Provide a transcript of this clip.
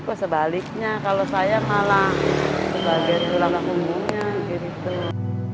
kok sebaliknya kalau saya malah sebagai tulang umumnya diri tuh